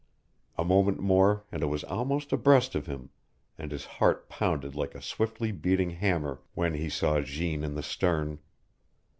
A moment more and it was almost abreast of him, and his heart pounded like a swiftly beating hammer when he saw Jeanne in the stern.